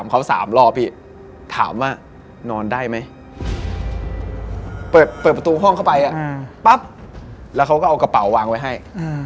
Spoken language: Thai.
คิดว่าพี่ก็ถามว่าโรงแรมเก่าอย่างเงี้ย